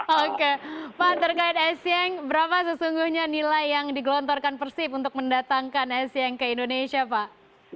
oke pak terkait esieng berapa sesungguhnya nilai yang digelontorkan persib untuk mendatangkan esieng ke indonesia pak